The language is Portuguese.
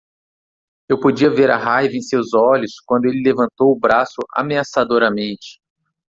Eu podia ver a raiva em seus olhos quando ele levantou o braço ameaçadoramente.